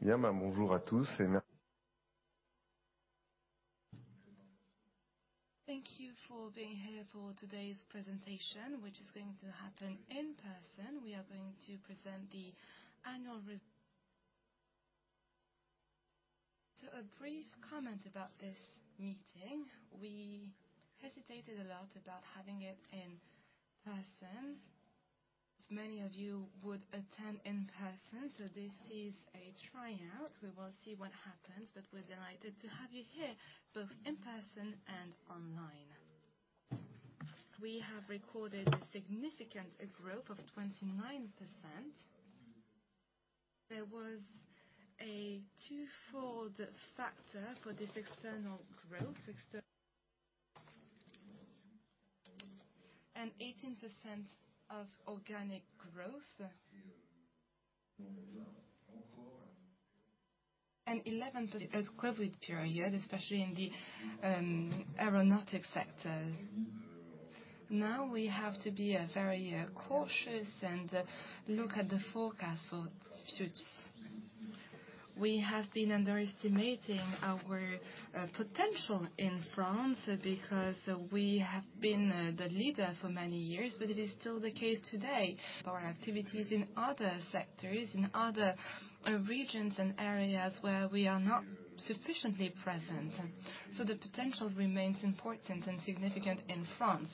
Thank you for being here for today's presentation, which is going to happen in person. We are going to present the annual. A brief comment about this meeting. We hesitated a lot about having it in person. Many of you would attend in person, so this is a tryout. We will see what happens, but we're delighted to have you here, both in person and online. We have recorded a significant growth of 29%. There was a twofold factor for this external growth. 18% of organic growth. 11%- As COVID period, especially in the aeronautic sector. Now we have to be very cautious and look at the forecast for Suge. We have been underestimating our potential in France because we have been the leader for many years, but it is still the case today. Our activities in other sectors, in other regions and areas where we are not sufficiently present. The potential remains important and significant in France.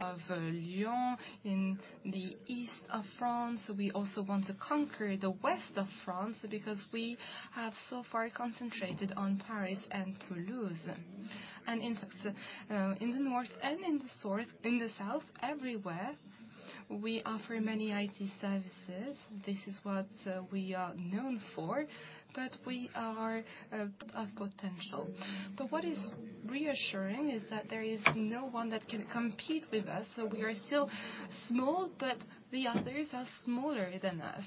Of Lyon, in the east of France. We also want to conquer the west of France because we have so far concentrated on Paris and Toulouse. In the north and in the south, everywhere, we offer many IT services. This is what we are known for, but we are of potential. What is reassuring is that there is no one that can compete with us, so we are still small, but the others are smaller than us.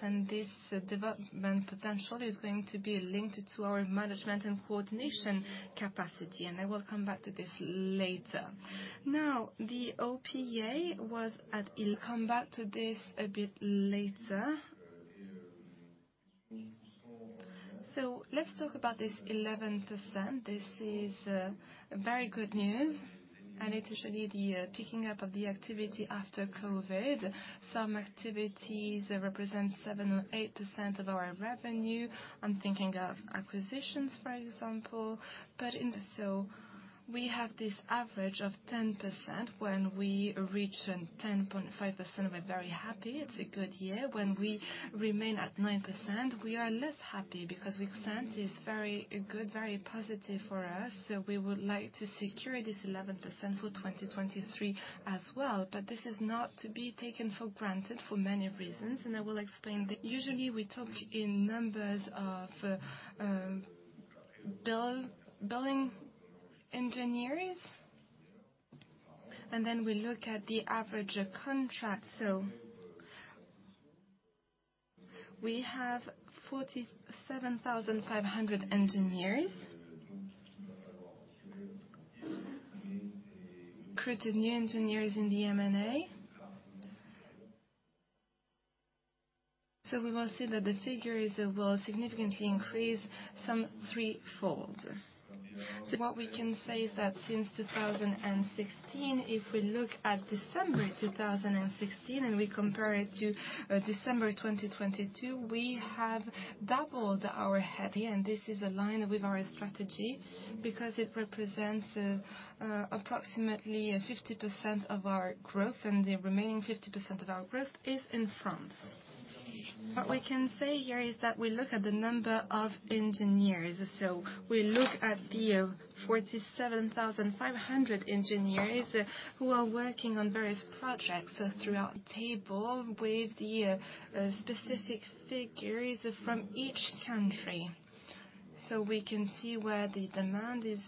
This development potential is going to be linked to our management and coordination capacity, and I will come back to this later. The OPA was. I'll come back to this a bit later. Let's talk about this 11%. This is very good news. I need to show you the picking up of the activity after COVID. Some activities represent 7% or 8% of our revenue. I'm thinking of acquisitions, for example. We have this average of 10%. When we reach 10.5%, we're very happy. It's a good year. When we remain at 9%, we are less happy because Percent is very good, very positive for us, so we would like to secure this 11% for 2023 as well. This is not to be taken for granted for many reasons, and I will explain that. Usually, we talk in numbers of billing engineers, and then we look at the average contract. We have 47,500 engineers. Created new engineers in the M and A. We will see that the figures will significantly increase some three-fold. What we can say is that since 2016, if we look at December 2016, and we compare it to December 2022, we have doubled our head count. This is aligned with our strategy because it represents approximately 50% of our growth, and the remaining 50% of our growth is in France. We can say here is that we look at the number of engineers. We look at the 47,500 engineers who are working on various projects throughout the table with the specific figures from each country. We can see where the demand is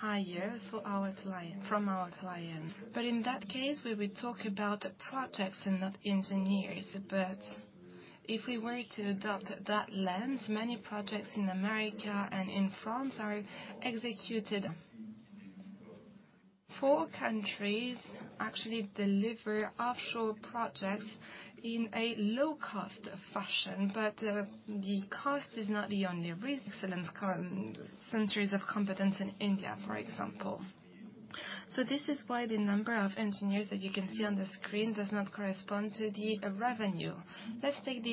higher from our clients. In that case, we will talk about projects and not engineers. If we were to adopt that lens, many projects in America and in France are executed. four countries actually deliver offshore projects in a low cost fashion, the cost is not the only reason. Excellence and centuries of competence in India, for example. This is why the number of engineers that you can see on the screen does not correspond to the revenue. Let's take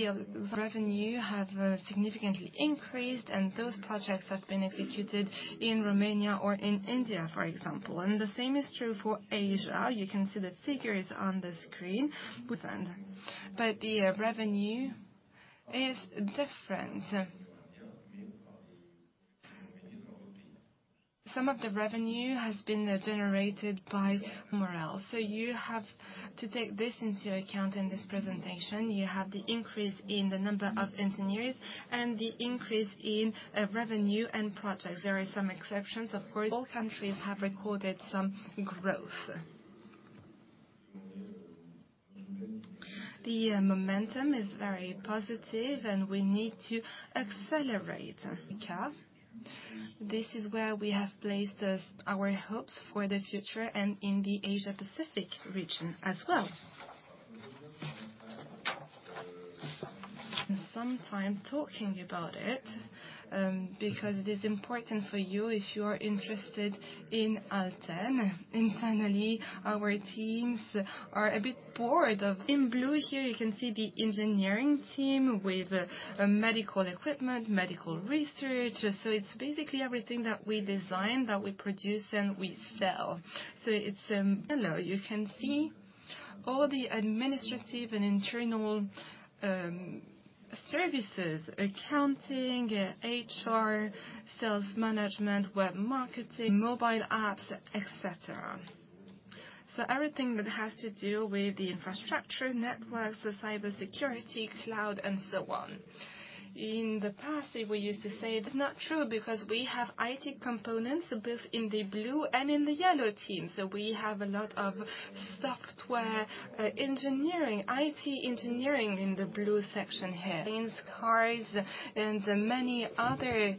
Revenue have significantly increased, those projects have been executed in Romania or in India, for example. The same is true for Asia. You can see the figures on the screen. The revenue is different. Some of the revenue has been generated by morale. You have to take this into account in this presentation. You have the increase in the number of engineers and the increase in revenue and projects. There are some exceptions, of course. All countries have recorded some growth. The momentum is very positive, and we need to accelerate. This is where we have placed our hopes for the future and in the Asia Pacific region as well. Some time talking about it because it is important for you if you are interested in ALTEN. Internally, our teams are a bit bored of. In blue here, you can see the engineering team with medical equipment, medical research. It's basically everything that we design, that we produce, and we sell. It's. Yellow, you can see all the administrative and internal services. Accounting, HR, sales management, web marketing, mobile apps, et cetera. Everything that has to do with the infrastructure, networks, the cybersecurity, cloud, and so on. In the past, we used to say... That's not true because we have IT components both in the blue and in the yellow team. We have a lot of software, engineering, IT engineering in the blue section here. Planes, cars, and many other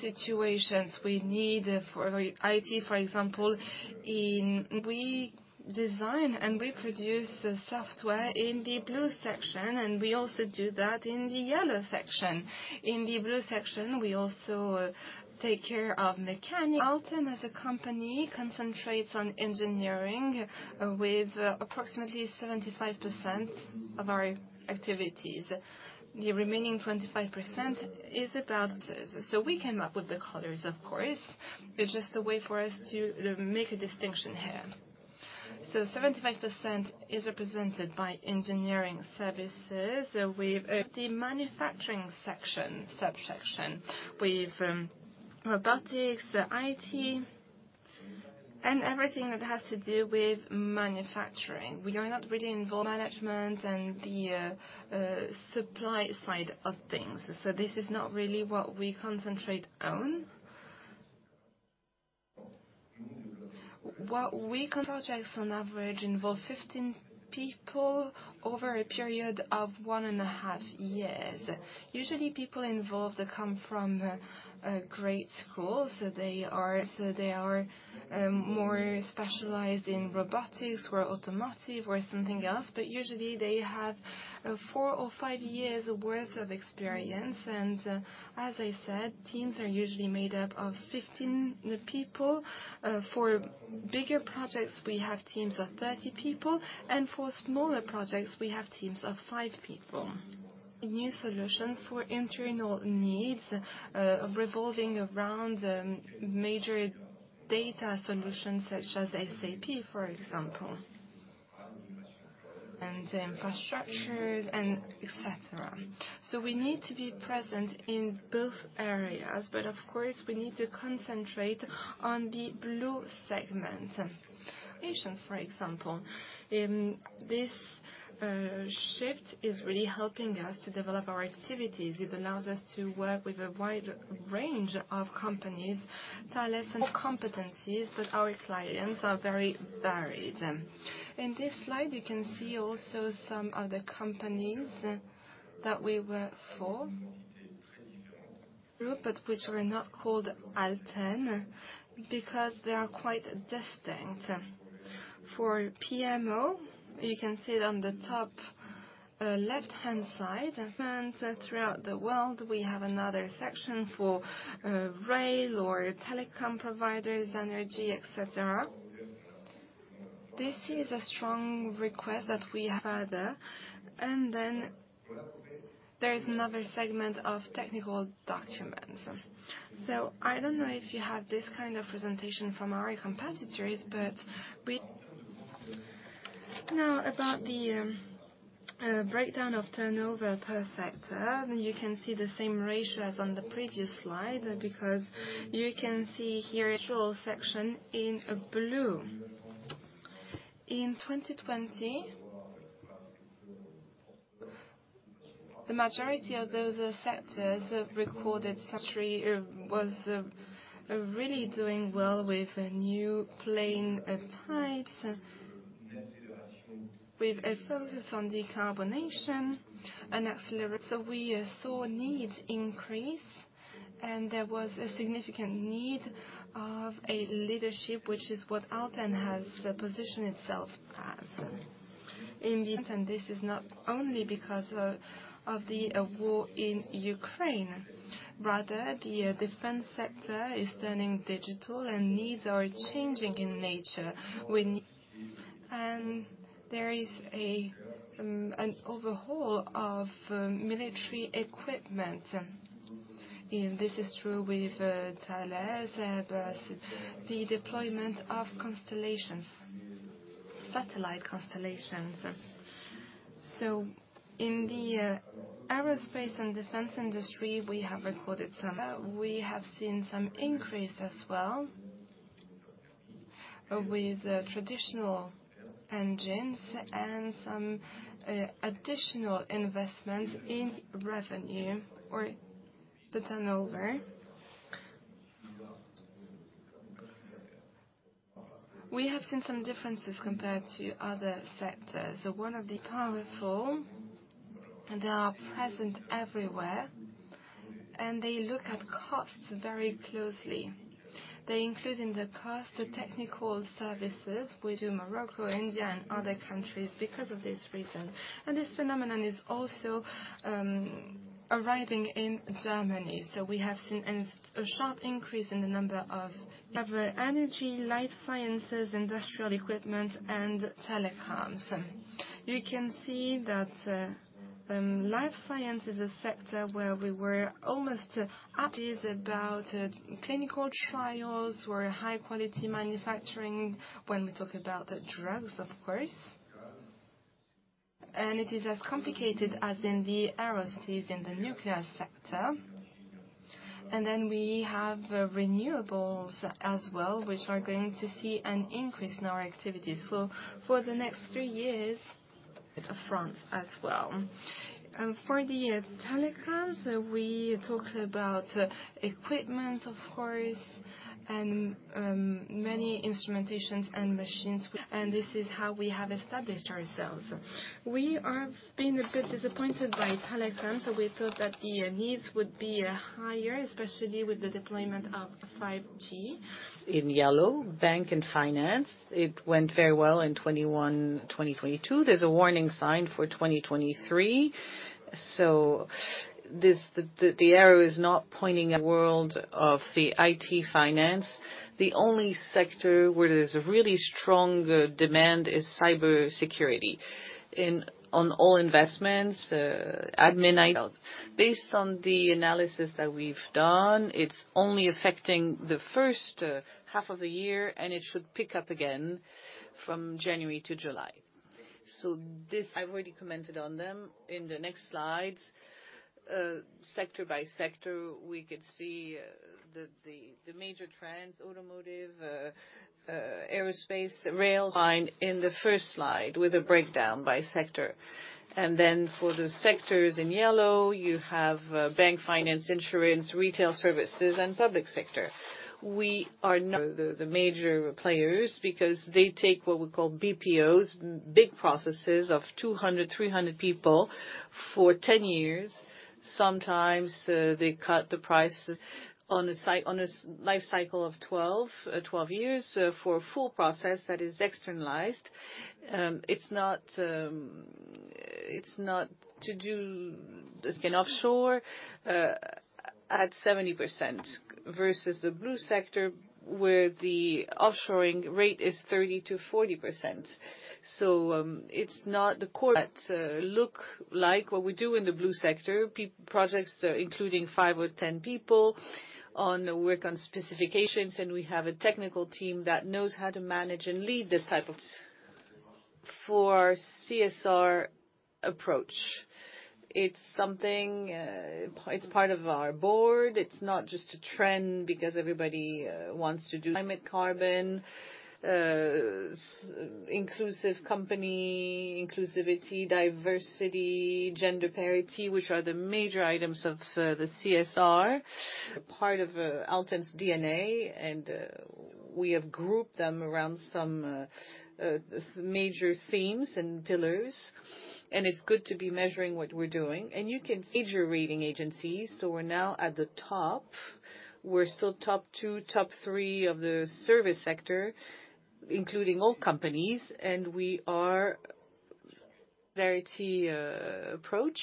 situations we need for IT, for example, in... We design and we produce the software in the blue section, and we also do that in the yellow section. In the blue section, we also take care of ALTEN as a company concentrates on engineering with approximately 75% of our activities. The remaining 25% is about... We came up with the colors, of course. It's just a way for us to make a distinction here. 75% is represented by engineering services with the manufacturing subsection. With robotics, IT, and everything that has to do with manufacturing. We are not really involved... Management and the supply side of things. This is not really what we concentrate on. Projects on average involve 15 people over a period of 1.5 years. Usually, people involved come from great schools. They are more specialized in robotics or automotive or something else. Usually, they have four or five years' worth of experience. As I said, teams are usually made up of 15 people. For bigger projects, we have teams of 30 people, and for smaller projects, we have teams of 5 people. New solutions for internal needs, revolving around major data solutions such as SAP, for example. Infrastructures and et cetera. We need to be present in both areas, but of course, we need to concentrate on the blue segment. Patients, for example. This shift is really helping us to develop our activities. It allows us to work with a wide range of companies. Thales Competencies, our clients are very varied. In this slide, you can see also some of the companies that we work for. Group, which were not called ALTEN because they are quite distinct. For PMO, you can see it on the top, left-hand side. Throughout the world, we have another section for rail or telecom providers, energy, et cetera. This is a strong request that we have. Further, there is another segment of technical documents. I don't know if you have this kind of presentation from our competitors. Now, about the breakdown of turnover per sector. You can see the same ratios on the previous slide because you can see here... Visual section in blue. In 2020, the majority of those sectors recorded. Industry was really doing well with a new plane type. With a focus on decarbonization. We saw need increase, and there was a significant need of a leadership, which is what ALTEN has positioned itself as. In the. This is not only because of the war in Ukraine. Rather, the defense sector is turning digital and needs are changing in nature. There is an overhaul of military equipment. This is true with Thales, Bas- The deployment of constellations, satellite constellations. In the aerospace and defense industry, we have recorded some. We have seen some increase as well with traditional engines and some additional investment in revenue or the turnover. We have seen some differences compared to other sectors. One of the powerful, they are present everywhere, they look at costs very closely. They include in the cost, the technical services. We do Morocco, India, and other countries because of this reason. This phenomenon is also arriving in Germany. We have seen a sharp increase in the number of... We have energy, life sciences, industrial equipment, and telecoms. You can see that life science is a sector where we were almost at... It is about clinical trials or high quality manufacturing when we talk about drugs, of course. It is as complicated as in the aerospace and the nuclear sector. We have renewables as well, which are going to see an increase in our activities. For the next three years... France as well. For the telecoms, we talk about equipment, of course, and many instrumentations and machines. This is how we have established ourselves. We have been a bit disappointed by telecoms, we thought that the needs would be higher, especially with the deployment of 5G. In yellow, bank and finance. It went very well in 2021, 2022. There's a warning sign for 2023. This, the arrow is not pointing... World of the IT finance. The only sector where there's a really strong demand is cybersecurity on all investments, admin ID... Based on the analysis that we've done, it's only affecting the first half of the year, it should pick up again from January to July. I've already commented on them. In the next slides, sector by sector, we could see the major trends, automotive, aerospace, rails. Line in the first slide with a breakdown by sector. Then for the sectors in yellow, you have bank finance, insurance, retail services, and public sector. We are not... The major players because they take what we call BPOs, big processes of 200, 300 people for 10 years. Sometimes, they cut the price on a life cycle of 12 years, for a full process that is externalized. It's not to do... It's been offshore at 70% versus the blue sector, where the offshoring rate is 30%-40%. It's not the core. That look like what we do in the blue sector, projects, including five or 10 people on work on specifications, and we have a technical team that knows how to manage and lead this. For CSR approach. It's something, it's part of our board. It's not just a trend because everybody wants to do climate carbon, inclusive company, inclusivity, diversity, gender parity, which are the major items of the CSR. Part of ALTEN's DNA, we have grouped them around some major themes and pillars. It's good to be measuring what we're doing. Major rating agencies, we're now at the top. We're still top two, top three of the service sector, including all companies. Parity approach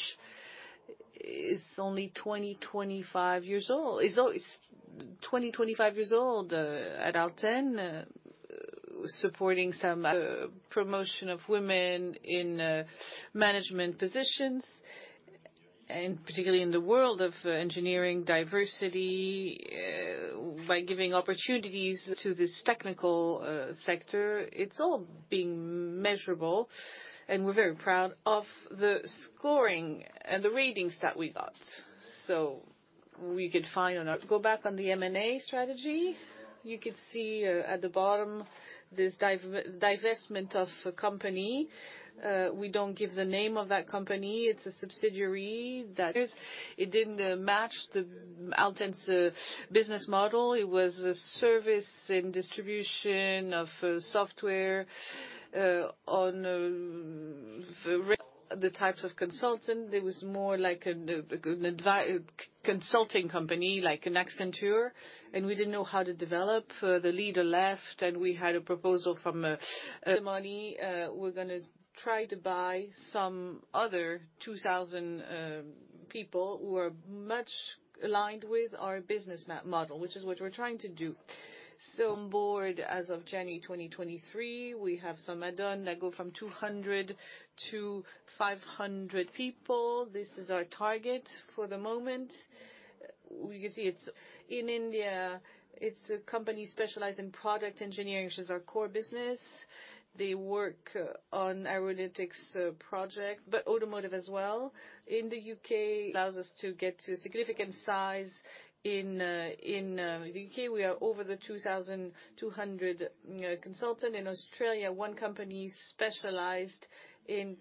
is only 20-25 years old. It's 20, 25 years old at ALTEN, supporting The promotion of women in management positions, and particularly in the world of engineering diversity by giving opportunities To this technical sector. It's all being measurable, we're very proud of the scoring and the ratings that we got. We could find or not. Go back on the M and A strategy. You could see at the bottom this divestment of a company. We don't give the name of that company. It's a subsidiary It didn't match the ALTEN business model. It was a service and distribution of software on The types of consultant. It was more like an consulting company like an Accenture, we didn't know how to develop. The leader left, and we had a proposal from The money, we're going to try to buy some other 2,000 people who are much aligned with our business model, which is what we're trying to do. On board as of January 2023, we have some add-on that go from 200 to 500 people. This is our target for the moment. We can see In India, it's a company specialized in product engineering, which is our core business. They work on analytics project, but automotive as well. Allows us to get to a significant size. In the U.K., we are over the 2,200 consultant. In Australia, one company specialized in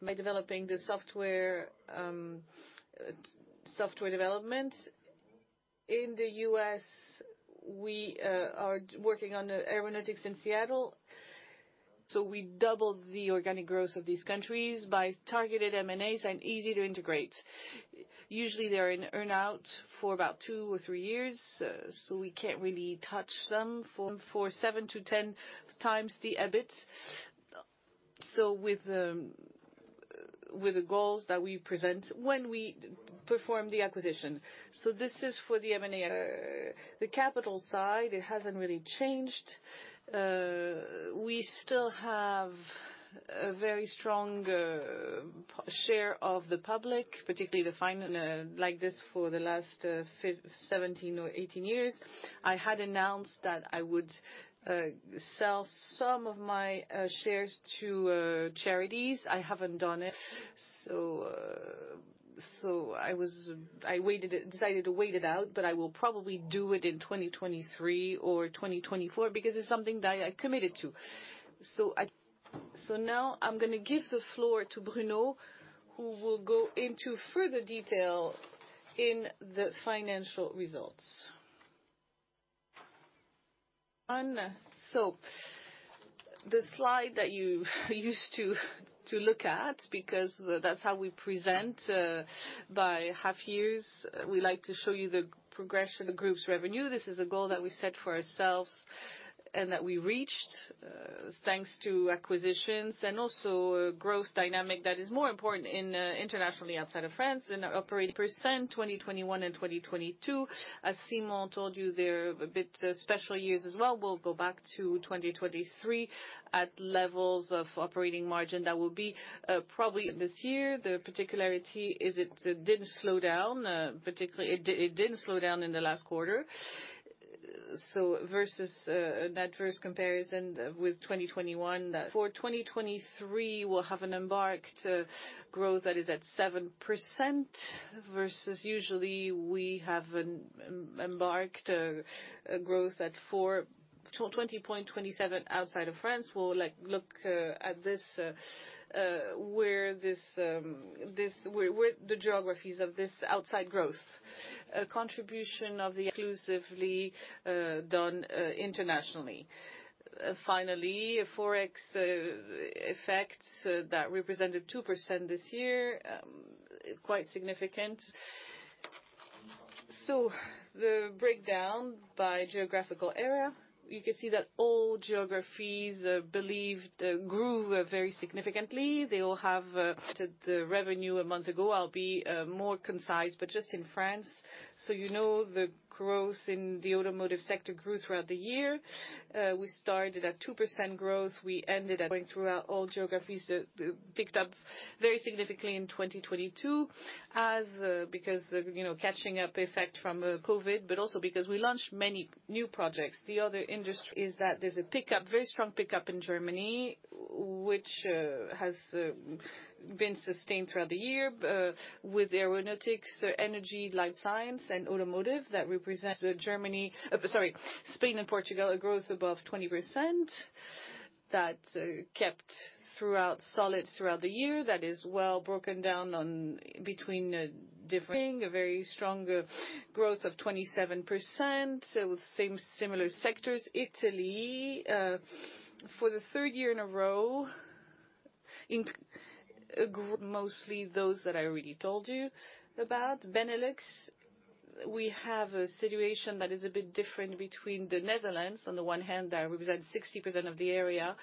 By developing the software development. In the U.S., we are working on the aeronautics in Seattle. We doubled the organic growth of these countries by targeted M and As and easy to integrate. Usually, they're in earn-out for about two or three years, we can't really touch them for seven to 10 times the EBIT. With the goals that we present when we perform the acquisition. This is for the M and A. The capital side, it hasn't really changed. We still have a very strong share of the public, particularly like this for the last 17 or 18 years. I had announced that I would sell some of my shares to charities. I haven't done it, I decided to wait it out, but I will probably do it in 2023 or 2024 because it's something that I committed to. Now I'm going to give the floor to Bruno, who will go into further detail in the financial results. Anne. The slide that you used to look at, because that's how we present by half years. We like to show you the progression of the group's revenue. This is a goal that we set for ourselves and that we reached thanks to acquisitions and also a growth dynamic that is more important internationally outside of France and operating % 2021 and 2022. As Simon told you, they're a bit special years as well. We'll go back to 2023 at levels of operating margin that will be probably this year. The particularity is it didn't slow down particularly, it didn't slow down in the last quarter. Versus an adverse comparison with 2021. For 2023, we'll have an embarked growth that is at 7% versus usually we have an embarked growth at 4%. 20.27% outside of France. We'll like look at this where the geographies of this outside growth. A contribution of the exclusively done internationally. Finally, a Forex effect that represented 2% this year is quite significant. The breakdown by geographical area, you can see that all geographies believed grew very significantly. They all have the revenue one month ago. I'll be more concise, but just in France. You know the growth in the automotive sector grew throughout the year. We started at 2% growth. We ended up going through our old geographies, picked up very significantly in 2022 as, because, you know, catching up effect from COVID, but also because we launched many new projects. The other industry is that there's a pickup, very strong pickup in Germany, which has been sustained throughout the year, with aeronautics, energy, life science, and automotive that represent Germany. Sorry, Spain and Portugal, a growth above 20% that kept throughout solid throughout the year. That is well broken down on between differing. A very strong growth of 27%, so same similar sectors. Italy, for the 3rd year in a row, mostly those that I already told you about. Benelux, we have a situation that is a bit different between the Netherlands, on the one hand, that represent 60% of the area,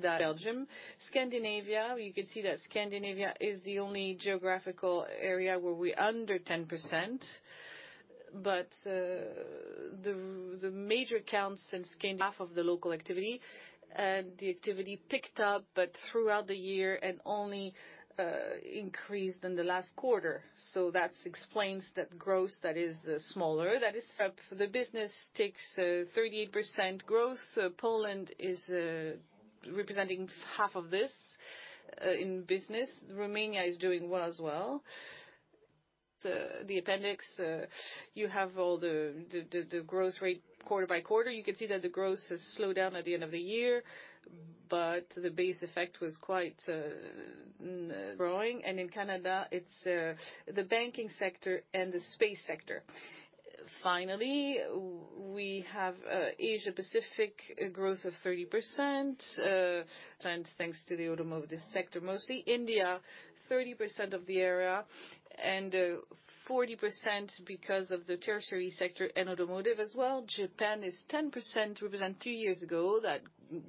that Belgium. Scandinavia, you can see that Scandinavia is the only geographical area where we under 10%. The major count since came off of the local activity, and the activity picked up, but throughout the year and only increased in the last quarter. That's explains that growth that is smaller. That is, the business takes 38% growth. Poland is representing half of this in business. Romania is doing well as well. The appendix, you have all the growth rate quarter by quarter. You can see that the growth has slowed down at the end of the year, but the base effect was quite growing. In Canada, it's the banking sector and the space sector. Finally, we have Asia-Pacific growth of 30%, thanks to the automotive sector mostly. India, 30% of the area and 40% because of the tertiary sector and automotive as well. Japan is 10%, represent two years ago that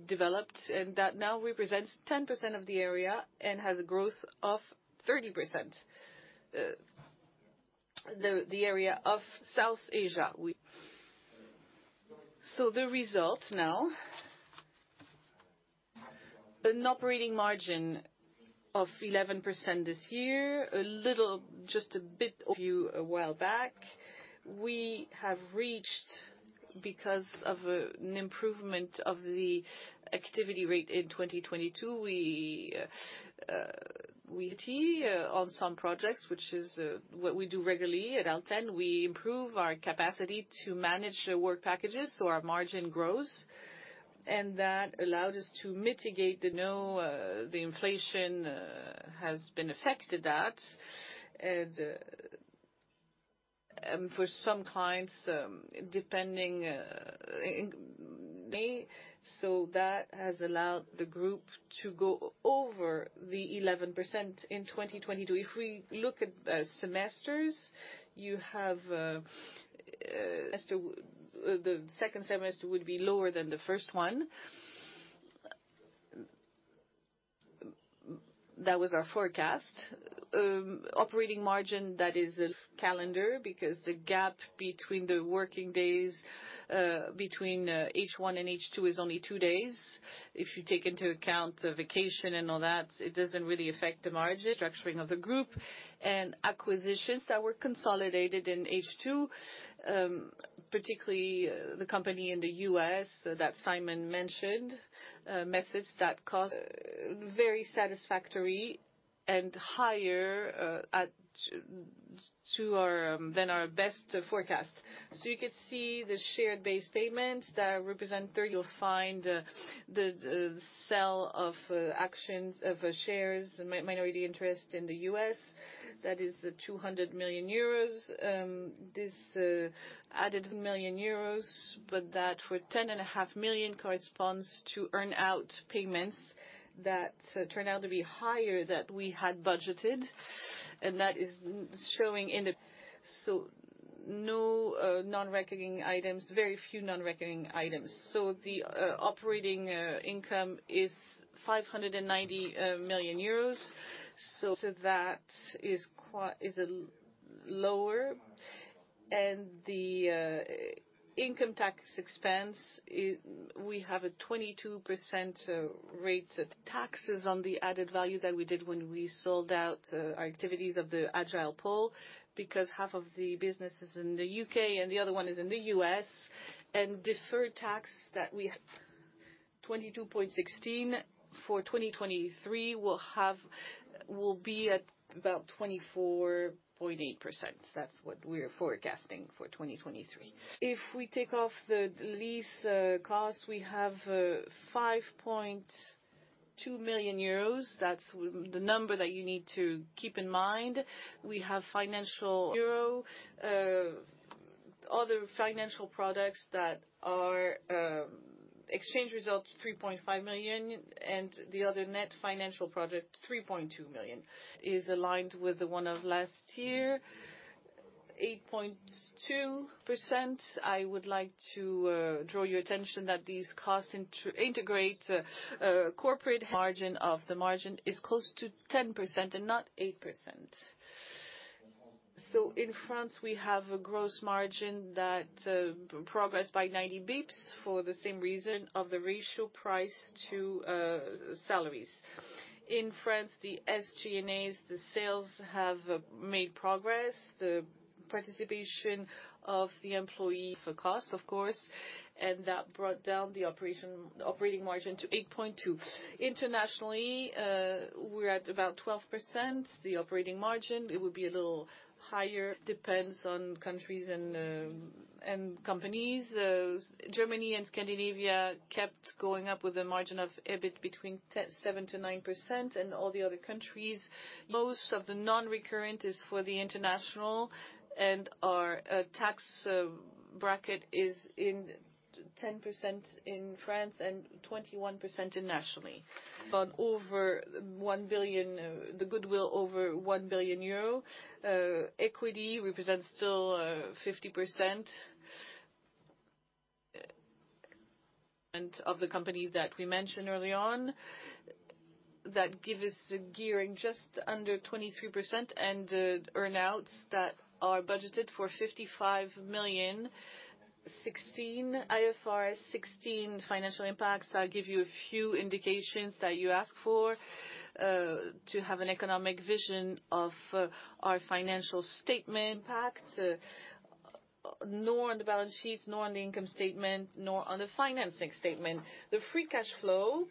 developed and that now represents 10% of the area and has a growth of 30%. The area of South Asia. The result now. An operating margin of 11% this year, a little, just a bit of you a while back. We have reached because of an improvement of the activity rate in 2022. We see on some projects, which is what we do regularly at ALTEN. We improve our capacity to manage the work packages, our margin grows. That allowed us to mitigate the inflation has been affected that. For some clients, depending in me. That has allowed the group to go over the 11% in 2022. If we look at the semesters, you have the second semester would be lower than the first one. That was our forecast. Operating margin, that is the calendar, because the gap between the working days, between H1 and H2 is only two days. If you take into account the vacation and all that, it doesn't really affect the margin. Structuring of the group and acquisitions that were consolidated in H2, particularly the company in the U.S., that Simon mentioned, methods that cost very satisfactory and higher than our best forecast. You could see the share-based payment that represent there. You'll find the sale of shares of shares and minority interest in the U.S. That is 200 million euros. This added million euros, but that for ten and a half million corresponds to earn-out payments that turned out to be higher that we had budgeted. That is showing in the... No non-recurring items, very few non-recurring items. The operating income is 590 million euros. That is lower. The income tax expense is, we have a 22% rates of taxes on the added value that we did when we sold out our activities of the Agile Harbour, because half of the business is in the U.K. and the other one is in the U.S. Deferred tax that we have 22.16%. For 2023, we'll be at about 24.8%. That's what we're forecasting for 2023. If we take off the lease costs, we have 5.2 million euros. That's the number that you need to keep in mind. We have financial euro, other financial products that are exchange results, 3.5 million EUR, and the other net financial product, 3.2 million EUR. Is aligned with the one of last year, 8.2%. I would like to draw your attention that these costs integrate corporate margin of the margin is close to 10% and not 8%. In France, we have a gross margin that progressed by 90 bips for the same reason of the ratio price to salaries. In France, the SG&As, the sales have made progress. The participation of the employee for costs, of course, and that brought down the operating margin to 8.2%. Internationally, we're at about 12%. The operating margin, it would be a little higher. Depends on countries and companies. Germany and Scandinavia kept going up with a margin of EBIT between 10, 7%-9% and all the other countries. Most of the non-recurrent is for the international, and our tax bracket is in 10% in France and 21% internationally. Over 1 billion, the goodwill over 1 billion euro equity represents still 50% and of the companies that we mentioned early on that give us the gearing just under 23% and the earn-outs that are budgeted for 55 million. 16 IFRS, 16 financial impacts. I'll give you a few indications that you asked for to have an economic vision of our financial statement impact, nor on the balance sheets, nor on the income statement, nor on the financing statement. The free cash flow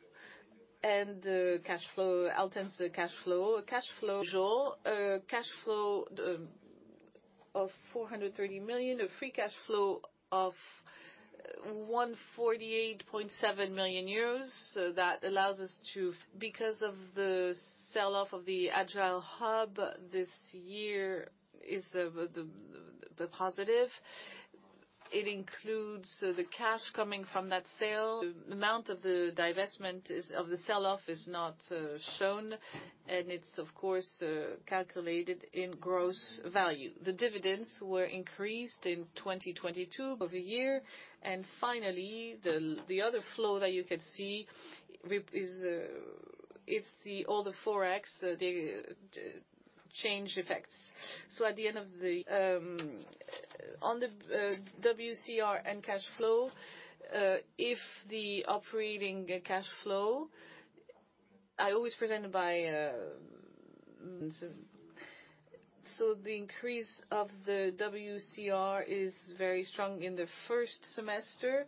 and cash flow, ALTEN's cash flow. Cash flow usual cash flow of 430 million, a free cash flow of 148.7 million euros. That allows us to... Because of the sell-off of the Agile Harbour this year is the positive. It includes the cash coming from that sale. The amount of the divestment is not shown, and it's of course calculated in gross value. The dividends were increased in 2022 over a year. Finally, the other flow that you can see is it's all the Forex, the change effects. At the end of the on the WCR and cash flow, if the operating cash flow, I always present by, the increase of the WCR is very strong in the first semester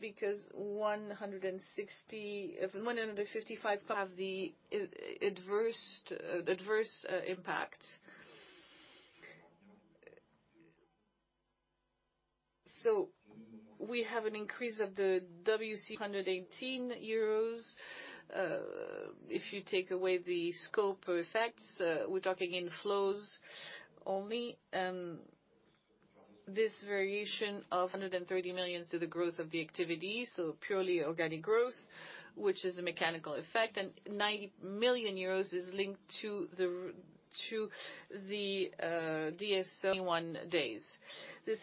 because 160, 155 have the adverse impact. We have an increase of the WCR 118 euros. If you take away the scope effects, we're talking inflows only. This variation of 130 million to the growth of the activity, so purely organic growth, which is a mechanical effect, and 90 million euros is linked to the DSO 1 days. This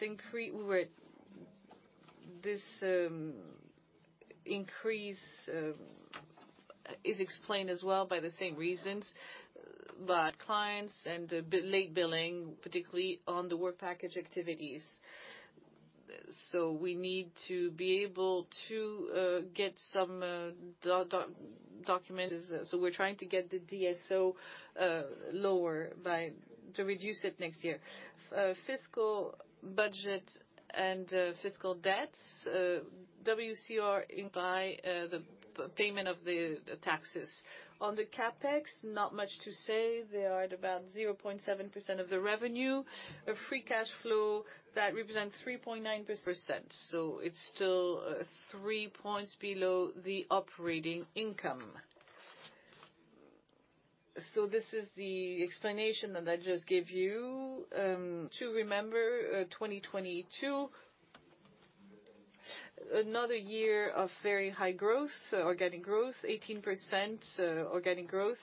increase is explained as well by the same reasons, but clients and late billing, particularly on the work package activities. We need to be able to get some documents. We're trying to get the DSO lower by... To reduce it next year. Fiscal budget and fiscal debts, WCR imply the payment of the taxes. On the CapEx, not much to say. They are at about 0.7% of the revenue. A free cash flow that represents 3.9%. It's still 3 points below the operating income. This is the explanation that I just gave you. To remember, 2022, another year of very high growth, organic growth, 18%, organic growth,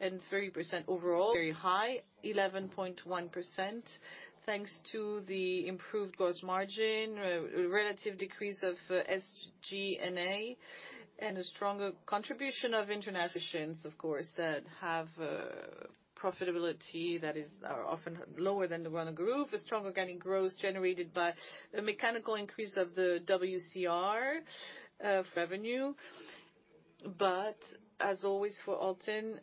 and 30% overall. Very high, 11.1%, thanks to the improved gross margin, relative decrease of SG&A, and a stronger contribution of international, of course, that have profitability that is, are often lower than the runner group. A strong organic growth generated by the mechanical increase of the WCR revenue. As always for ALTEN,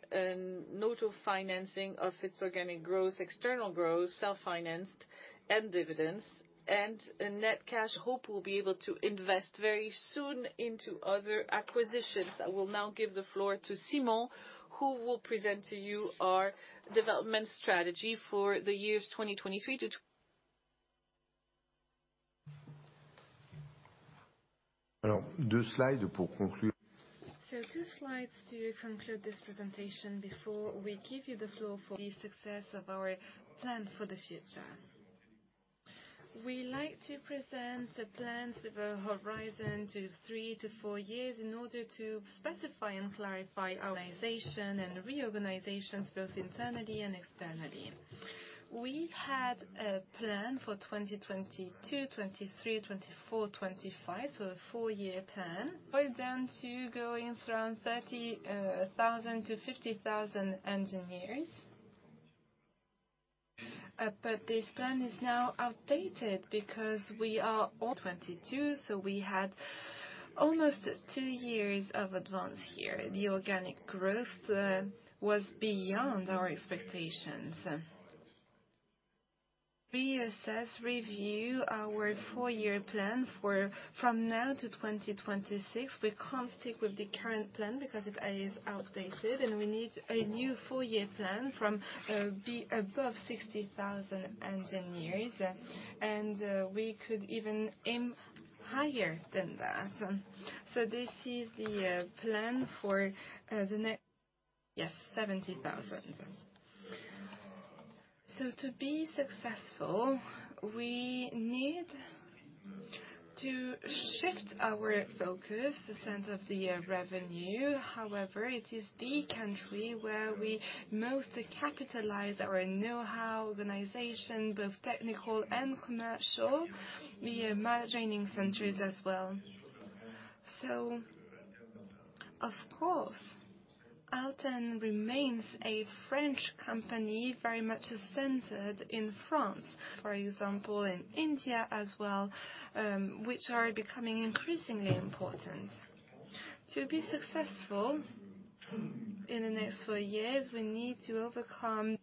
no to financing of its organic growth, external growth, self-financed and dividends, and a net cash hope will be able to invest very soon into other acquisitions. I will now give the floor to Simon, who will present to you our development strategy for the years 2023. Two slides to conclude this presentation before we give you the floor for the success of our plan for the future. We like to present the plans with a horizon to three to four years in order to specify and clarify our realization and reorganizations, both internally and externally. We had a plan for 2022, 2023, 2024, 2025, so a four-year plan. Down to going from 30,000 to 50,000 engineers. This plan is now outdated because we are all 2022, so we had almost two years of advance here. The organic growth was beyond our expectations. Reassess, review our four-year plan for from now to 2026. We can't stick with the current plan because it is outdated, and we need a new four-year plan from above 60,000 engineers. We could even aim higher than that. This is the plan for, yes, 70,000. To be successful, we need to shift our focus, the sense of the revenue. However, it is the country where we most capitalize our know-how, organization, both technical and commercial, the emerging countries as well. Of course, Alten remains a French company, very much centered in France. For example, in India as well, which are becoming increasingly important. To be successful in the next four years, we need to overcome.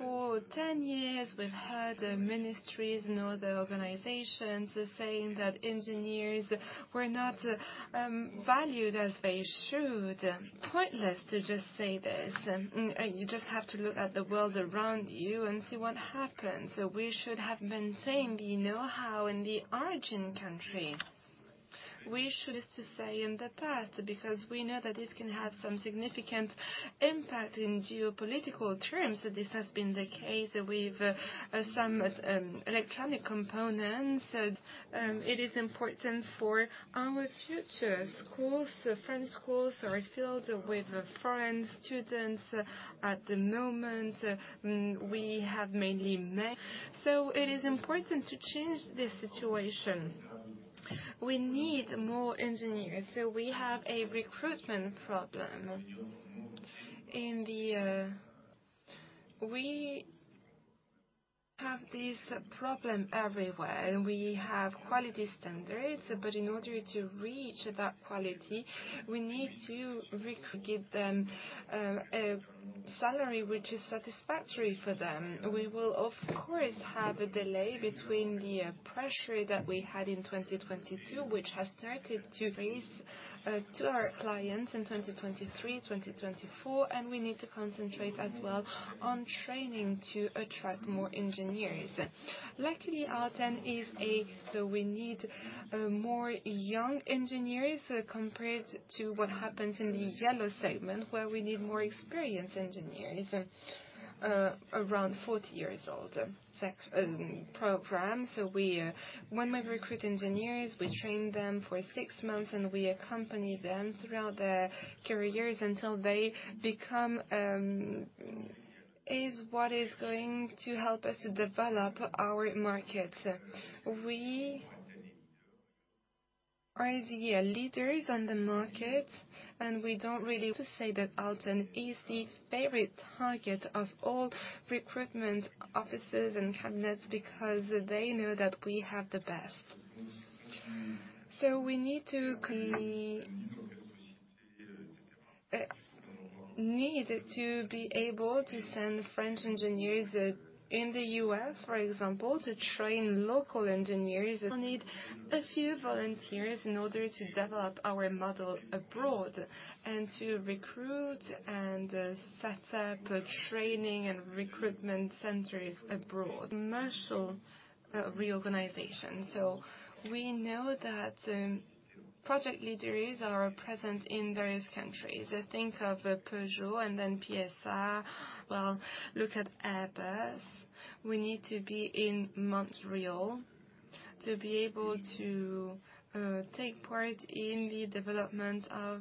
For 10 years, we've heard ministries and other organizations saying that engineers were not valued as they should. Pointless to just say this. You just have to look at the world around you and see what happens. We should have been saying the know-how in the origin country. We should to say in the past, because we know that this can have some significant impact in geopolitical terms. This has been the case with some electronic components. It is important for our future. Schools, French schools are filled with foreign students. At the moment, we have mainly. It is important to change this situation. We need more engineers. We have a recruitment problem. We have this problem everywhere. We have quality standards. In order to reach that quality, we need to re-give them a salary which is satisfactory for them. We will of course, have a delay between the pressure that we had in 2022, which has started to raise to our clients in 2023, 2024, and we need to concentrate as well on training to attract more engineers. Luckily, ALTEN is a. We need more young engineers compared to what happens in the yellow segment, where we need more experienced engineers around 40 years old. program. We, when we recruit engineers, we train them for six months, and we accompany them throughout their careers until they become, is what is going to help us to develop our markets. We are the leaders on the market, and we don't really to say that ALTEN is the favorite target of all recruitment officers and cabinets, because they know that we have the best. We need to be able to send French engineers in the U.S., for example, to train local engineers. We'll need a few volunteers in order to develop our model abroad and to recruit and set up training and recruitment centers abroad. Commercial reorganization. We know that project leaders are present in various countries. I think of Peugeot and then PSA. Look at Airbus. We need to be in Montreal to be able to take part in the development of...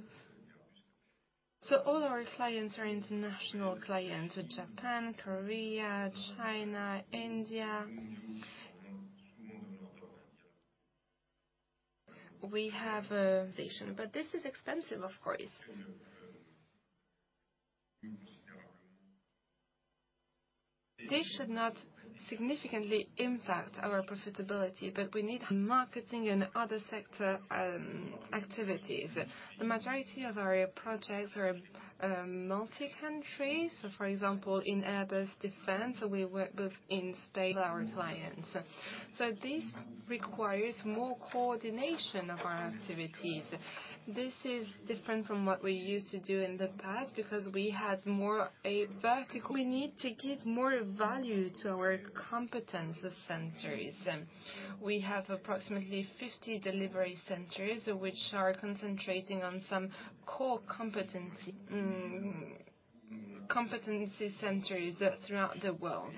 All our clients are international clients, Japan, Korea, China, India. We have, this is expensive, of course. This should not significantly impact our profitability, we need marketing in other sector activities. The majority of our projects are multi-country. For example, in Airbus Defence and Space, we work both in space- our clients. This requires more coordination of our activities. This is different from what we used to do in the past because we had more. We need to give more value to our competence centers. We have approximately 50 delivery centers which are concentrating on some core competency centers throughout the world.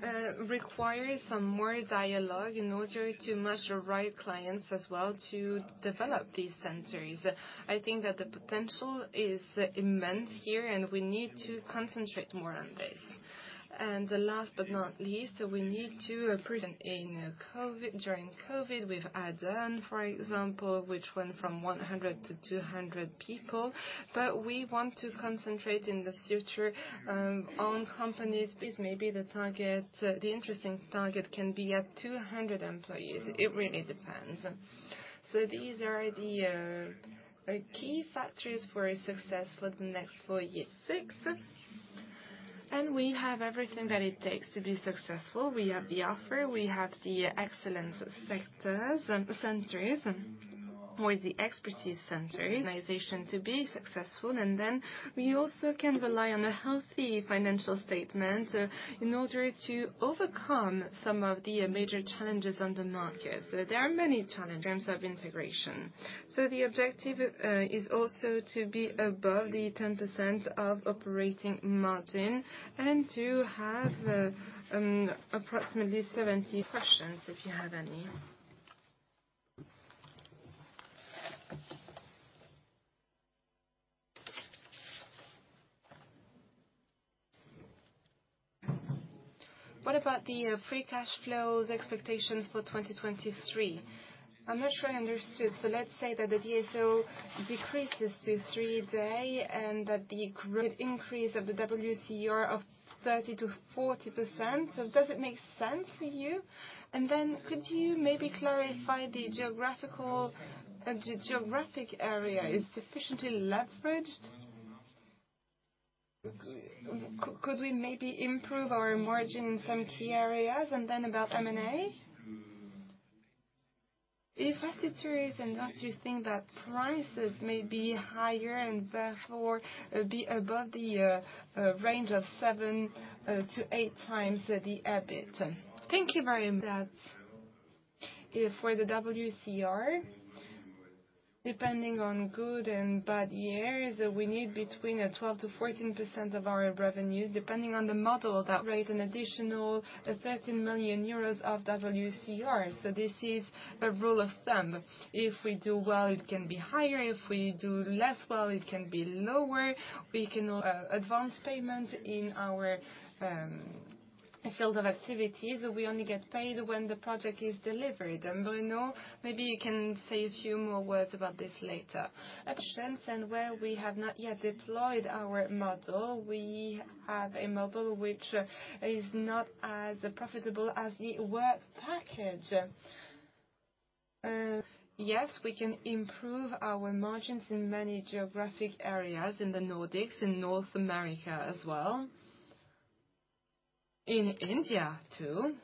This requires some more dialogue in order to match the right clients as well to develop these centers. I think that the potential is immense here, and we need to concentrate more on this. The last but not least, we need during COVID with Adentis, for example, which went from 100 to 200 people. We want to concentrate in the future on companies which may be the target. The interesting target can be at 200 employees. It really depends. These are the key factors for success for the next four years. six. We have everything that it takes to be successful. We have the offer, we have the excellence sectors, centers, or the expertise centers. Organization to be successful. We also can rely on a healthy financial statement in order to overcome some of the major challenges on the market. There are many challenges. In terms of integration. The objective is also to be above the 10% of operating margin and to have approximately seventy-. Questions, if you have any. What about the free cash flows expectations for 2023? I'm not sure I understood. Let's say that the DSO decreases to three day and that the great increase of the WCR of 30%-40%. Does it make sense for you? Could you maybe clarify the geographic area is sufficiently leveraged. Could we maybe improve our margin in some key areas? About M&A. If that's the case, don't you think that prices may be higher and therefore be above the range of seven-eight times the EBIT? Thank you very much. For the WCR, depending on good and bad years, we need between 12%-14% of our revenues, depending on the model that generate an additional 13 million euros of WCR. This is a rule of thumb. If we do well, it can be higher. If we do less well, it can be lower. We can advance payment in our field of activities, we only get paid when the project is delivered. Bruno, maybe you can say a few more words about this later. Options and where we have not yet deployed our model, we have a model which is not as profitable as the work package. Yes, we can improve our margins in many geographic areas in the Nordics, in North America as well. In India, too.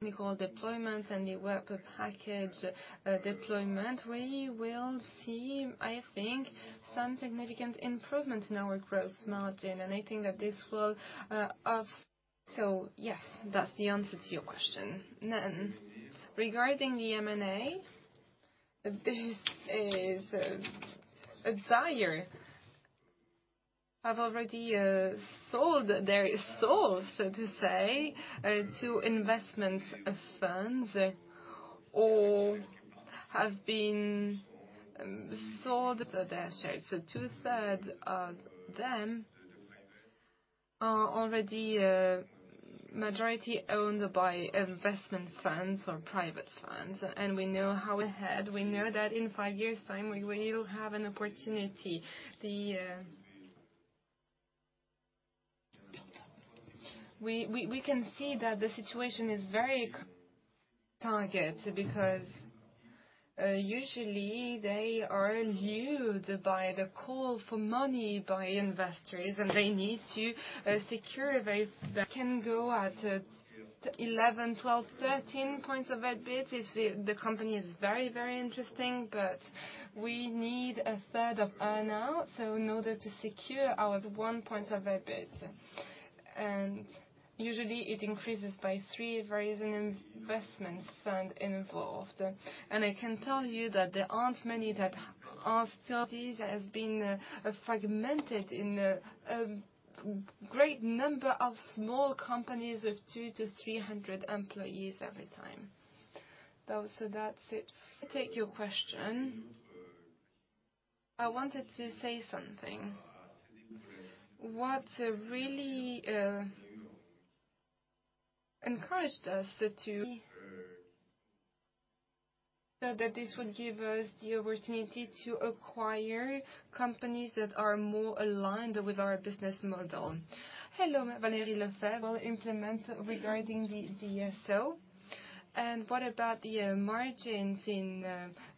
We call deployment and the work package deployment. We will see, I think, some significant improvement in our gross margin, and I think that this will. Yes, that's the answer to your question. Regarding the M&A, Have already sold their souls, so to say, to investment firms or have been sold their shares. Two-thirds of them are already majority owned by investment funds or private funds. We know how ahead, we know that in five years' time, we will have an opportunity. We can see that the situation is very target because usually they are lured by the call for money by investors, and they need to secure a very. That can go at 11, 12, 13 points of EBIT if the company is very, very interesting. We need a third of earn-out, so in order to secure our one point of EBIT. Usually it increases by three for every investment fund involved. I can tell you that there aren't many that are still. These has been fragmented in a great number of small companies of two-300 employees every time. That's it. Take your question. I wanted to say something. What really encouraged us to. That this would give us the opportunity to acquire companies that are more aligned with our business model. Hello, Valérie Lecaussin-Sesia. We'll implement regarding the SO. What about the margins in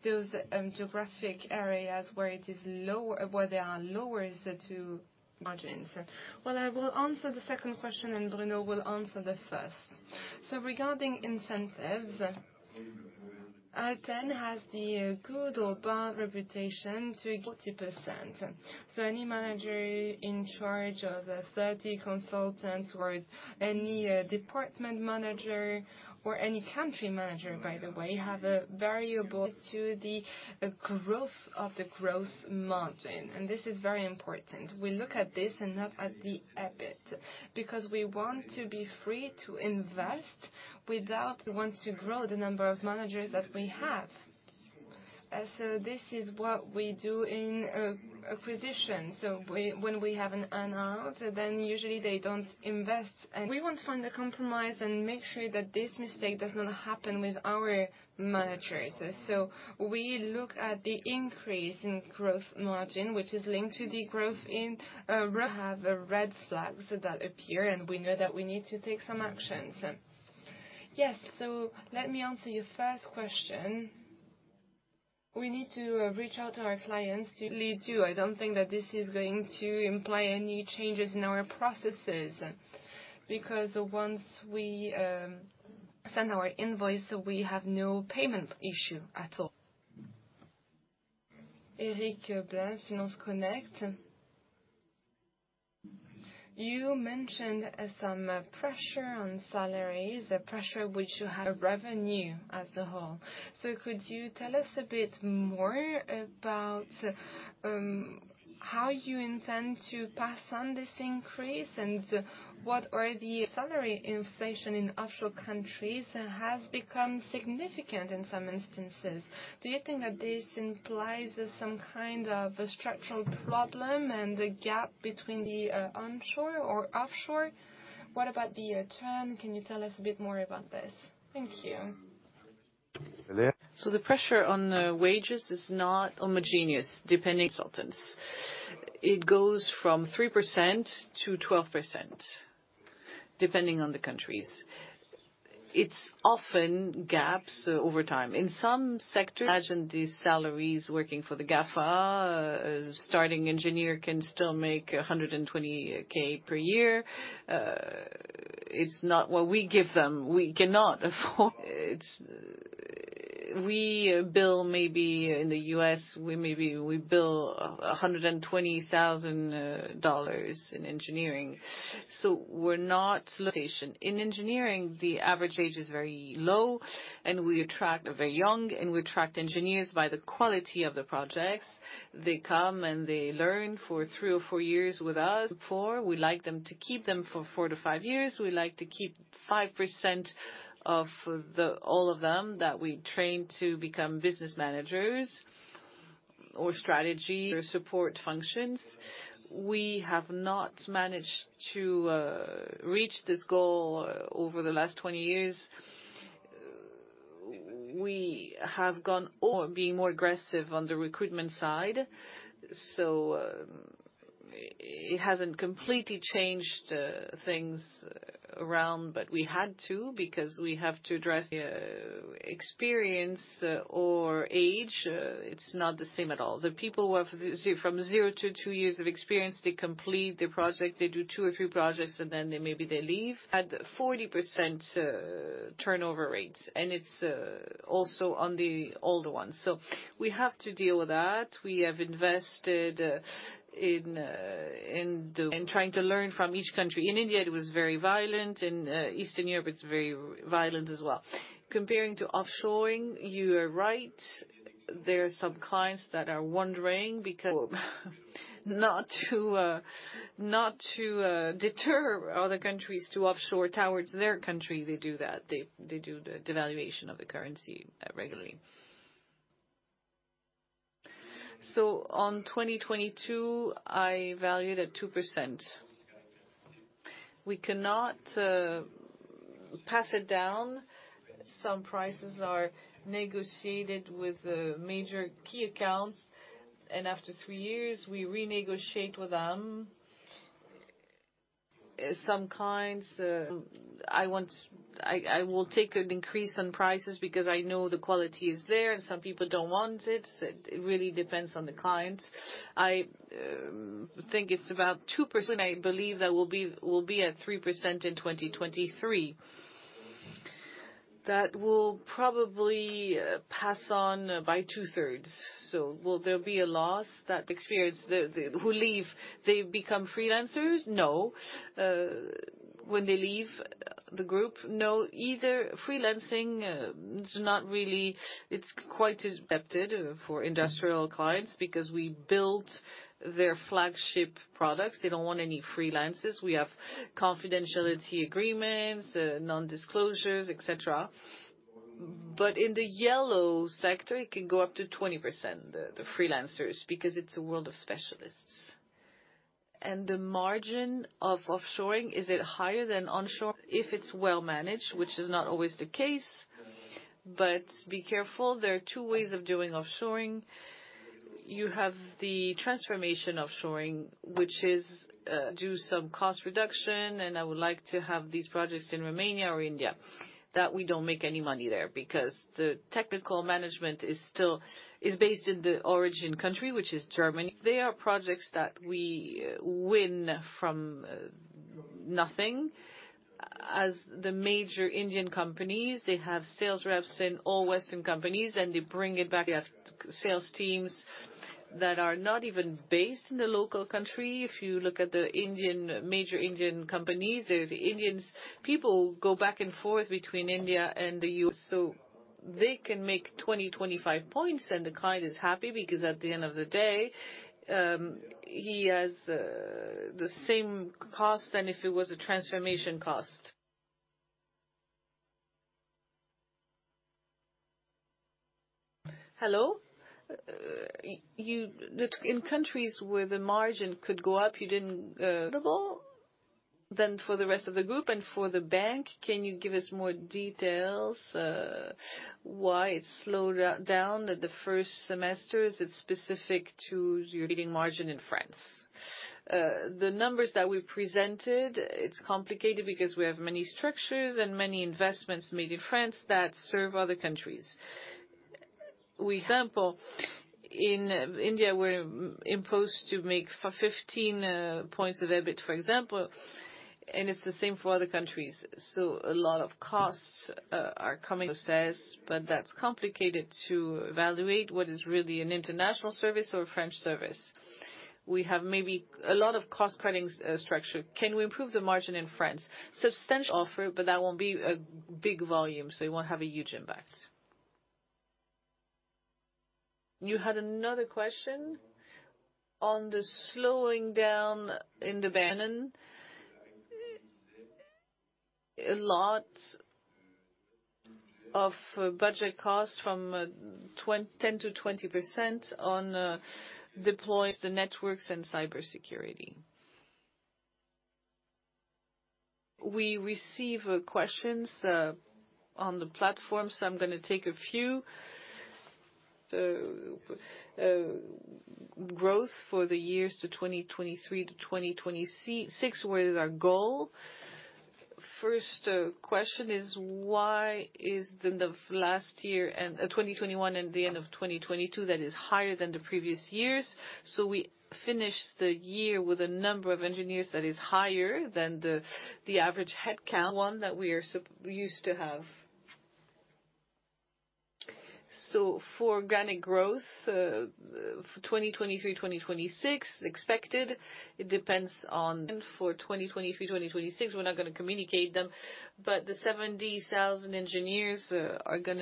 those geographic areas where they are lower as to margins? Well, I will answer the second question and Bruno will answer the first. Regarding incentives, ALTEN has the good or bad reputation to... 40%. Any manager in charge of 30 consultants or any department manager or any country manager, by the way, have a variable... To the growth of the growth margin, this is very important. We look at this and not at the EBIT, because we want to be free to invest without... Want to grow the number of managers that we have. This is what we do in acquisition. When we have an earn-out, usually they don't invest. We want to find a compromise and make sure that this mistake does not happen with our managers. We look at the increase in growth margin, which is linked to the growth in. Have red flags that appear, and we know that we need to take some actions. Yes. Let me answer your first question. We need to reach out to our clients. Lead to. I don't think that this is going to imply any changes in our processes. Once we send our invoice, we have no payment issue at all. You mentioned some pressure on salaries, a pressure which you have revenue as a whole. Could you tell us a bit more about how you intend to pass on this increase and what are the salary inflation in offshore countries has become significant in some instances. Do you think that this implies some kind of a structural problem and a gap between the onshore or offshore? What about the trend? Can you tell us a bit more about this? Thank you. Valérie? The pressure on wages is not homogeneous, depending consultants. It goes from 3% to 12%, depending on the countries. It's often gaps over time. In some sectors, imagine these salaries working for the GAFA. A starting engineer can still make 120K per year. It's not what we give them. We cannot afford. We bill maybe in the U.S., we bill $120,000 in engineering. Location. In engineering, the average wage is very low, and we attract very young engineers by the quality of the projects. They come, and they learn for 3 or 4 years with us. Before, we like them to keep them for four-five years. We like to keep 5% of the, all of them that we train to become business managers. Strategy or support functions. We have not managed to reach this goal over the last 20 years. We have gone on being more aggressive on the recruitment side, it hasn't completely changed things around, but we had to because we have to address the experience or age. It's not the same at all. The people who have, from zero to two years of experience, they complete the project, they do two or three projects, and then they maybe they leave. At 40% turnover rates, it's also on the older ones. We have to deal with that. We have invested in trying to learn from each country. In India, it was very violent. In Eastern Europe, it's very violent as well. Comparing to offshoring, you are right. There are some clients that are wondering because... Not to deter other countries to offshore towards their country they do that. They do the devaluation of the currency regularly. On 2022, I valued at 2%. We cannot pass it down. Some prices are negotiated with major key accounts, and after three years, we renegotiate with them. Some clients, I will take an increase on prices because I know the quality is there, and some people don't want it. It really depends on the clients. I think it's about 2%. I believe that we'll be at 3% in 2023. That will probably pass on by two-thirds. Will there be a loss that... Experience the... Who leave, they become freelancers? No. When they leave the group? No. Either freelancing is not really... It's quite expected for industrial clients because we built their flagship products. They don't want any freelancers. We have confidentiality agreements, non-disclosures, et cetera. In the yellow sector, it can go up to 20%, the freelancers, because it's a world of specialists. The margin of offshoring, is it higher than onshore? If it's well managed, which is not always the case. Be careful, there are two ways of doing offshoring. You have the transformation offshoring, which is, Do some cost reduction, and I would like to have these projects in Romania or India. That we don't make any money there because the technical management is still based in the origin country, which is Germany. They are projects that we win from nothing. As the major Indian companies, they have sales reps in all Western companies, and they bring it back. They have sales teams that are not even based in the local country. If you look at the Indian, major Indian companies, there's Indians. People go back and forth between India and the U.S. They can make 20%, 25%, and the client is happy because at the end of the day, he has the same cost than if it was a transformation cost. Hello. In countries where the margin could go up, you didn't. For the rest of the group and for the bank, can you give us more details, why it slowed down at the first semester? Is it specific to your leading margin in France? The numbers that we presented, it's complicated because we have many structures and many investments made in France that serve other countries. Example, in India, we're imposed to make 15 points of EBIT, for example, and it's the same for other countries. A lot of costs are coming. Says, but that's complicated to evaluate what is really an international service or a French service. We have maybe a lot of cost-cutting structure. Can we improve the margin in France? Substantial offer, but that won't be a big volume, so it won't have a huge impact. You had another question? On the slowing down. A lot of budget costs from 10%-20% on deploying the networks and cybersecurity. We receive questions on the platform, so I'm going to take a few. Growth for the years to 2023 to 2026 were our goal. First, question is, why is the end of last year and... 2021 and the end of 2022 that is higher than the previous years. We finished the year with a number of engineers that is higher than the average headcount. One that we are used to have. For organic growth, for 2023, 2026 expected, it depends on. For 2023, 2026, we're not going to communicate them, but the 70,000 engineers are going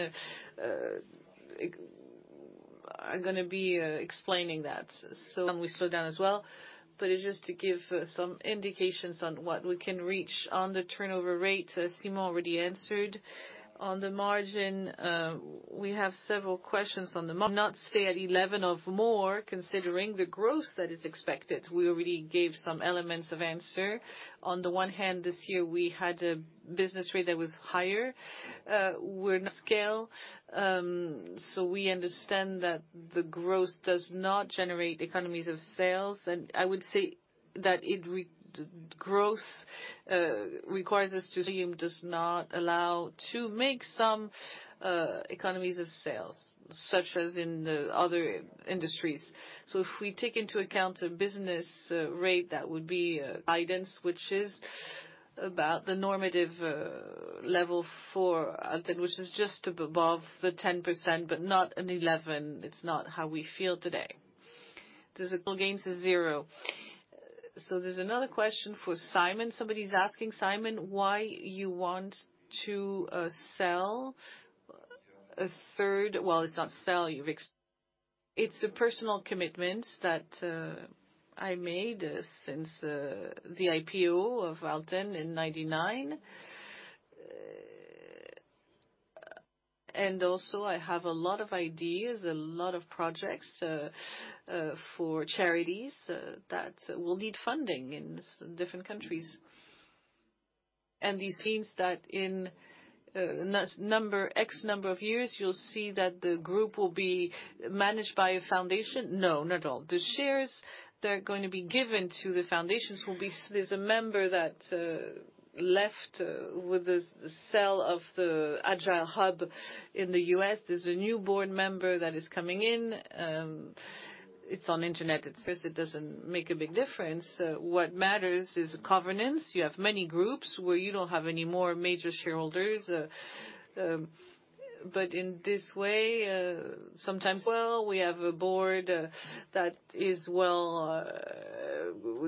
to be explaining that. We slow down as well. It's just to give some indications on what we can reach on the turnover rate, Simon already answered. On the margin, we have several questions on the Not stay at 11 or more, considering the growth that is expected. We already gave some elements of answer. On the one hand, this year we had a business rate that was higher, we're not scale, we understand that the growth does not generate economies of sales. I would say that it growth requires us Volume does not allow to make some economies of sales, such as in the other industries. If we take into account a business rate, that would be guidance, which is about the normative level for ALTEN, which is just above the 10% but not an 11. It's not how we feel today. There's a couple gains to zero. There's another question for Simon. Somebody's asking Simon why you want to sell a third? It's not sell, you've It's a personal commitment that I made since the IPO of ALTEN in 1999. Also I have a lot of ideas, a lot of projects for charities that will need funding in different countries. It seems that in x number of years, you'll see that the group will be managed by a foundation. Not at all. The shares that are going to be given to the foundations will be. There's a member that left with the sell of the Agile Harbour in the U.S. There's a new board member that is coming in. It's on internet, it's first, it doesn't make a big difference. What matters is governance. You have many groups where you don't have any more major shareholders. In this way, sometimes. We have a board that is well,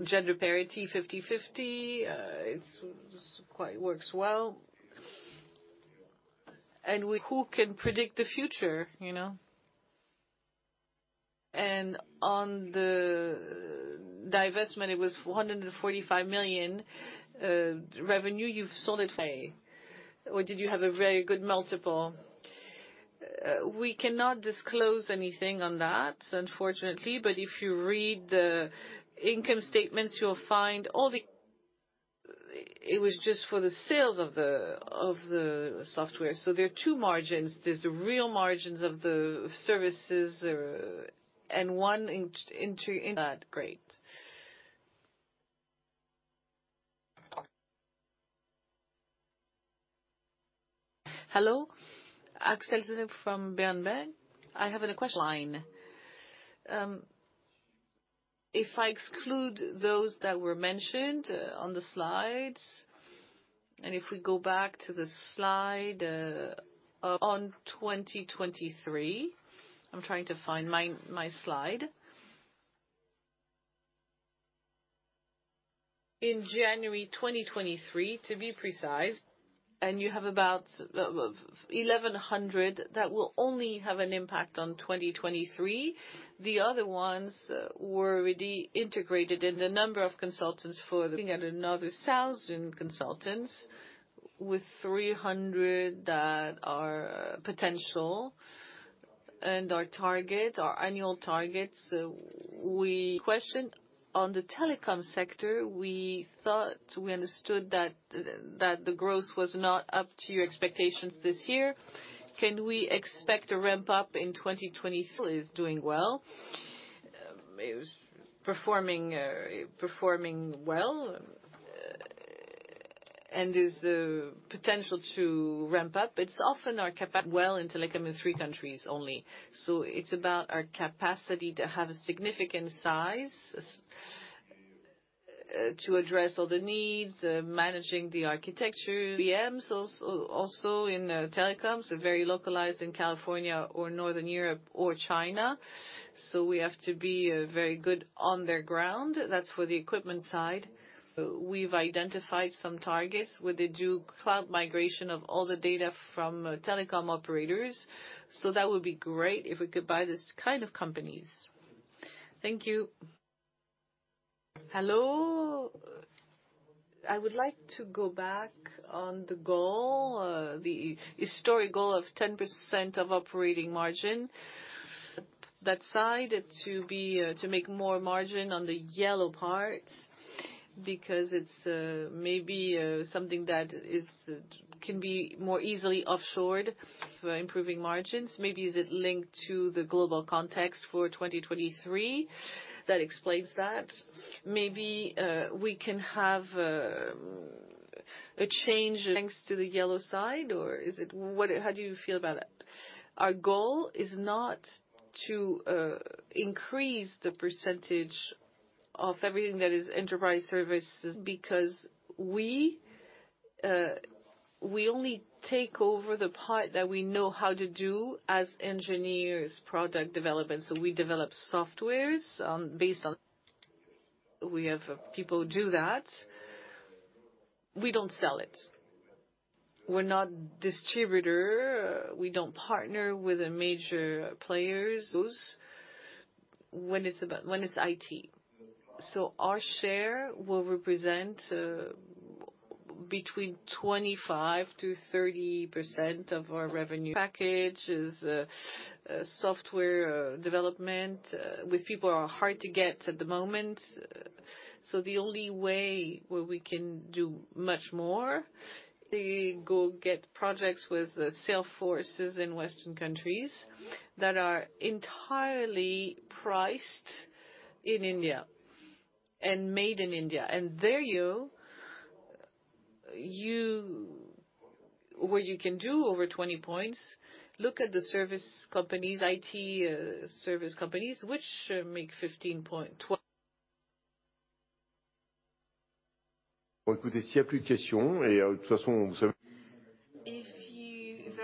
gender parity, 50/50. It's quite, works well. Who can predict the future, you know. On the divestment, it was 145 million revenue. You've sold it? Or did you have a very good multiple? We cannot disclose anything on that, unfortunately. If you read the income statements, you'll find all the. It was just for the sales of the software. There are two margins. There's the real margins of the services and one into that. Great. Hello. Axel Sznajer from ODDO BHF. I have an question. Line. If I exclude those that were mentioned on the slides, and if we go back to the slide on 2023. I'm trying to find my slide. In January 2023, to be precise, and you have about 1,100 that will only have an impact on 2023. The other ones were already integrated in the number of consultants. Looking at another 1,000 consultants with 300 that are potential. Our target, our annual targets. Question. On the telecom sector, we thought we understood that the growth was not up to your expectations this year. Can we expect a ramp up? Still is doing well. It was performing well, and there's a potential to ramp up. It's often our Well in telecom in three countries only. It's about our capacity to have a significant size to address all the needs, managing the architecture. VMs also in telecoms, very localized in California or Northern Europe or China. We have to be very good on their ground. That's for the equipment side. We've identified some targets with the due cloud migration of all the data from telecom operators. That would be great if we could buy this kind of companies. Thank you. Hello. I would like to go back on the goal, the historic goal of 10% of operating margin. That side to be, to make more margin on the yellow part, because it's, maybe, something that is... Can be more easily offshored for improving margins. Maybe is it linked to the global context for 2023 that explains that. Maybe, we can have, a change thanks to the yellow side, or is it... What, how do you feel about that? Our goal is not to increase the percentage of everything that is enterprise services, because we only take over the part that we know how to do as engineers, product development. We develop softwares. We have people do that. We don't sell it. We're not distributor. We don't partner with the major players. When it's IT. Our share will represent 25%-30% of our revenue. Package is software development with people are hard to get at the moment. The only way where we can do much more, go get projects with the sales forces in Western countries that are entirely priced in India and made in India. There you. What you can do over 20%, look at the service companies, IT service companies, which make 15.20%. There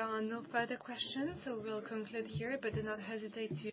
are no further questions, we'll conclude here, do not hesitate to-